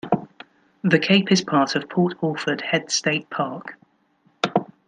The cape is part of Port Orford Heads State Park.